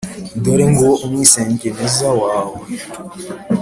Dore nguwo umwisengeneza wawe